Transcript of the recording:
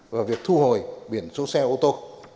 và việc thu hồi biển số xe ô tô